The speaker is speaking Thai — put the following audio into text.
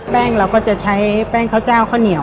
เราก็จะใช้แป้งข้าวเจ้าข้าวเหนียว